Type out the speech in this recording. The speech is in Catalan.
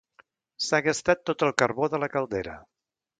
S'ha gastat tot el carbó de la caldera.